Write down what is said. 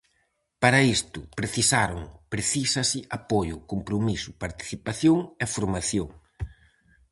Para isto, precisaron, precísase apoio, compromiso, participación e formación.